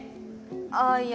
ああいや